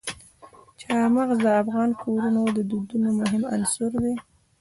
چار مغز د افغان کورنیو د دودونو مهم عنصر دی.